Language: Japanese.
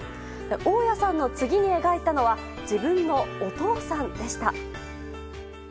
「大家さん」の次に描いたのは自分のお父さんでした。